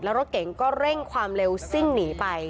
แล้วรถเก๋งก็เร่งความเร็วซิ่งหนีไป